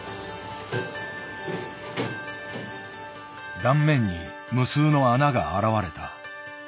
断面に無数の穴が現れた。